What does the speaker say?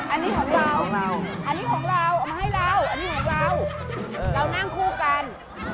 อันนี้ของเราออกมาให้เราเรานั่งคู่กัน